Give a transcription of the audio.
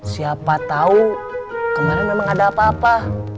siapa tahu kemarin memang ada apa apa